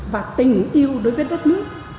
và tình yêu đối với đất nước